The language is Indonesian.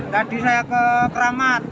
tadi saya ke keramat